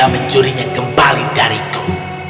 aku akan mencuri tongkatnya kembali dariku